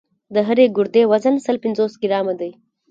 د هرې ګردې وزن سل پنځوس ګرامه دی.